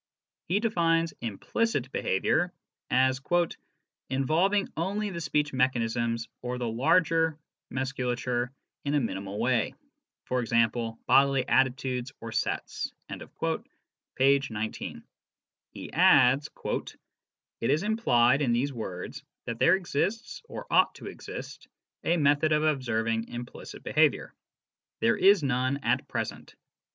He defines " implicit behaviour " as " involving only the speech mechanisms (or the larger musculature in a minimal way; e.g., bodily attitudes or sets) " (p. 19). He adds: " It is implied in these words that there exists, or ought to exist, a method of observing implicit behaviour. There is none at present.